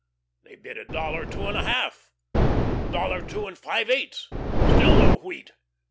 They bid a dollar two and a half, a dollar two and five eighths; still no wheat.